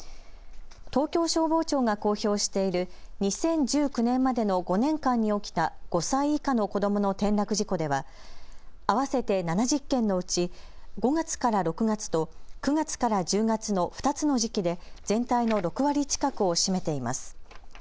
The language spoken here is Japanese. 東京消防庁が公表している２０１９年までの５年間に起きた５歳以下の子どもの転落事故では合わせて７０件のうち５月から６月と９月から１０月の２つの時期で全体の６割近くを占めています。